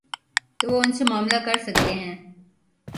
تو وہ ان سے معاملہ کر سکتے ہیں۔